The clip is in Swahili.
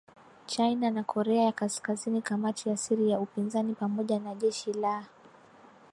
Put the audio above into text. China na Korea ya Kaskazini kamati ya siri ya upinzani pamoja na jeshi la